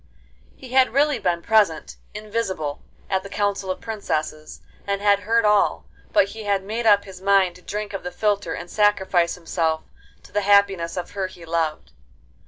He had really been present, invisible, at the council of princesses, and had heard all; but he had made up his mind to drink of the philtre, and sacrifice himself to the happiness of her he loved.